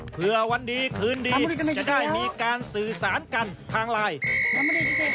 เพื่อวันดีคืนดีจะได้มีการสื่อสารกันทางไลน์